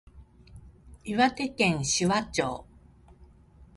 岩手県紫波町